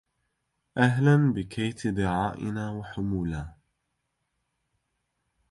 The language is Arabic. اهلا بكيت ظعائنا وحمولا